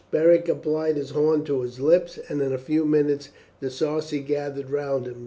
Beric applied his horn to his lips, and in a few minutes the Sarci gathered round him.